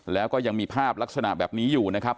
แล้วก็ยังมีภาพลักษณะแบบนี้อยู่นะครับ